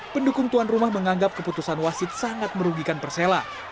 pendukung tuan rumah menganggap keputusan wasit sangat merugikan persela